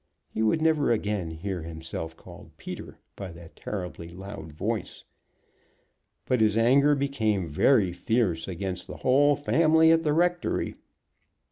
He would never again hear himself called Peter by that terribly loud voice. But his anger became very fierce against the whole family at the rectory.